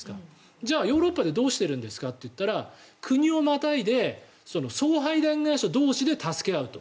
じゃあヨーロッパでどうしてるんですかと言ったら匡をまたいで送配電会社同士で助け合うと。